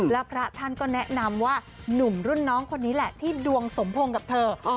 แล้วพระท่านก็แนะนำว่าหนุ่มรุ่นน้องคนนี้แหละที่ดวงสมพงษ์กับเธอ